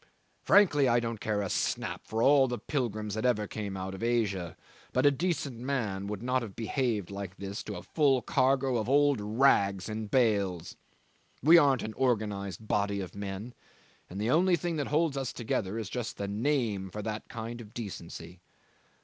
Frankly, I don't care a snap for all the pilgrims that ever came out of Asia, but a decent man would not have behaved like this to a full cargo of old rags in bales. We aren't an organised body of men, and the only thing that holds us together is just the name for that kind of decency.